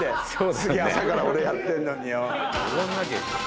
すげえ朝から俺やってんのによ。